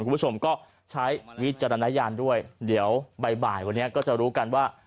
คุณผู้ชมก็ใช้วิจารณญาณด้วยเดี๋ยวบ่ายวันนี้ก็จะรู้กันว่า